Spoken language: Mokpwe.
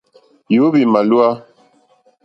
Yǒhwì màlíwá.